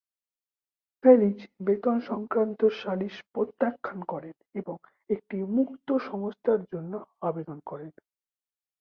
ফেলিজ বেতন সংক্রান্ত সালিশ প্রত্যাখ্যান করেন এবং একটি মুক্ত সংস্থার জন্য আবেদন করেন।